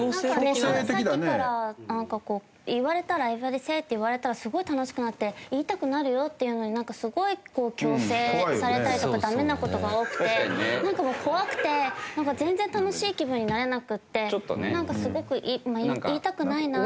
なんかさっきからなんかこう言われたら「Ｅｖｅｒｙｂｏｄｙｓａｙ」って言われたらすごい楽しくなって言いたくなるよっていうのにすごい強制されたりとかダメな事が多くてなんかもう怖くてなんか全然楽しい気分になれなくてなんかすごく言いたくないなって。